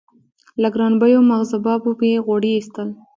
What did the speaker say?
له ګرانبیو مغزبابو یې غوړي اېستل.